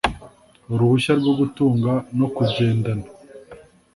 uruhushya rwo gutunga no kugendana